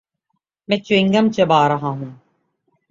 میں chewing gum چبا رہا ہوں۔